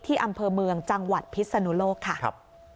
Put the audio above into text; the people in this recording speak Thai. อำเภอเมืองจังหวัดพิศนุโลกค่ะ